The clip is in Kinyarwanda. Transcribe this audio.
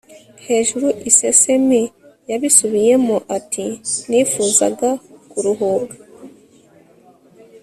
hejuru. isesemi. yabisubiyemo ati nifuzaga kuruhuka